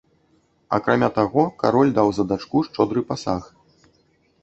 Акрамя таго, кароль даў за дачку шчодры пасаг.